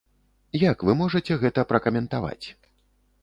Як вы можаце гэта пракаментаваць?